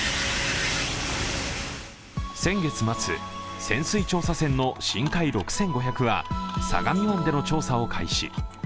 先月末、潜水調査船の「しんかい６５００」は相模湾での調査を開始。